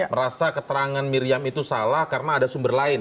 merasa keterangan miriam itu salah karena ada sumber lain